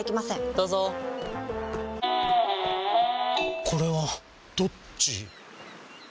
どうぞこれはどっち？